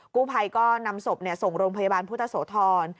กู้ภัยก็นำศพส่งโรงพยาบาลพุทธโสธร